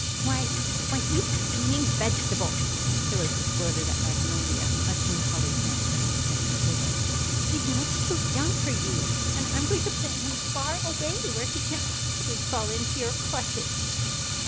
"Why why, you scheming vegetable!" Phyllis exploded at Magnolia, clutching the holly plant to her protective bosom. "He's much too young for you, and I'm going to plant him far away, where he can't possibly fall into your clutches."